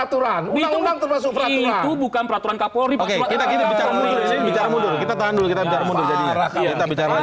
kita tahan dulu kita bicara mundur